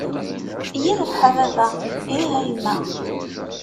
Yirbeḥ a baba, ih a yemma!